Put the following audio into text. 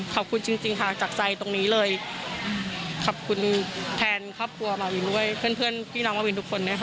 ขอบคุณจริงค่ะจากใจตรงนี้เลยขอบคุณแทนครอบครัวมาวินด้วยเพื่อนพี่น้องมาวินทุกคนด้วยค่ะ